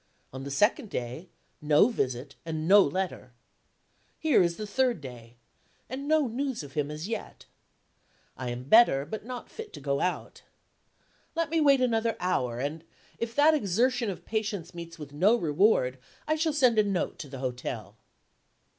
On the second day, no visit, and no letter. Here is the third day and no news of him as yet. I am better, but not fit to go out. Let me wait another hour, and, if that exertion of patience meets with no reward, I shall send a note to the hotel.